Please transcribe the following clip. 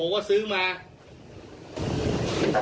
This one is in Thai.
มาทำกับ